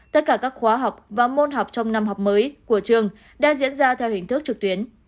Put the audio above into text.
tất cả các khóa học và môn học trong năm học mới của trường đã diễn ra theo hình thức trực tuyến